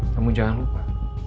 kamu jangan lupa